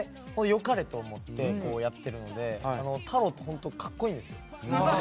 良かれと思ってやってるのでタロウって、本当に格好いいんですよ。